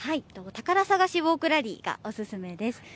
宝探しウォークラリーがおすすめです。